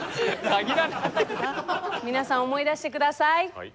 皆さん思い出して下さい。